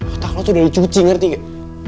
otak lo tuh udah dicuci ngerti nggak